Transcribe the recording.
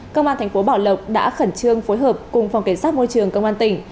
công an thành phố bảo lộc đã khẩn trương phối hợp cùng phòng cảnh sát môi trường công an tỉnh